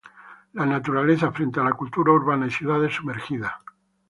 La naturaleza frente a la cultura urbana y ciudades sumergidas.